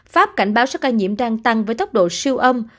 pháp cảnh báo số ca nhiễm đang tăng với tốc độ siêu âm